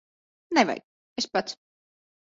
Nevajag. Es pats.